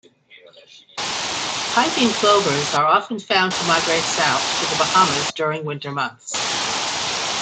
Piping plovers are often found to migrate south to The Bahamas during winter months.